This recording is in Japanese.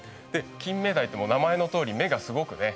キンメダイって名前のとおり目がすごくね